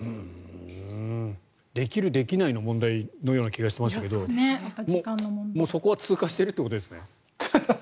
できる、できないの問題のような気がしていましたけどもうそこは通過しているということですね。